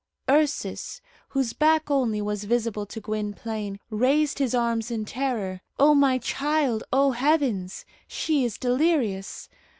Ursus, whose back only was visible to Gwynplaine, raised his arms in terror. "O my child! O heavens! she is delirious.